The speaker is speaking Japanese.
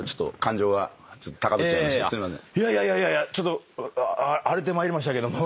いやいやいやいやちょっと荒れてまいりましたけども。